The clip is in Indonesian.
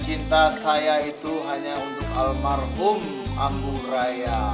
cinta saya itu hanya untuk almarhum agung raya